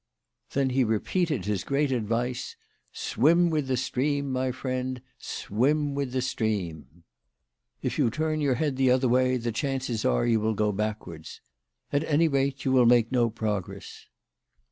Then he repeated his great advice, " Swim with the stream, my friend ; swim with the 78 "WHY FRAU FROHMAKN" RAISED HER PRICES. stream. If you turn your head the other way, the chances are you will go backwards. At any rate you will make no progress."